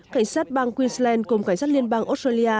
cảnh sát bang queensland cùng cảnh sát liên bang australia